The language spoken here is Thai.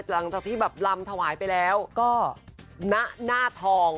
หลังจากที่แบบลำถวายไปแล้วก็ณหน้าทอง